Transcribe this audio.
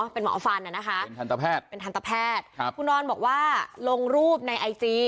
เป็นหมอฟันนะคะเป็นทันตแพทย์เป็นทันตแพทย์คุณออนบอกว่าลงรูปในไอจี